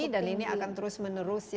dan ini akan terus menerus